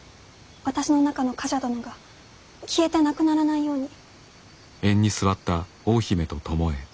私の中の冠者殿が消えてなくならないように。